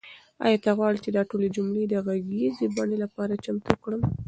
آیا ته غواړې چې دا ټولې جملې د غږیزې بڼې لپاره چمتو کړم؟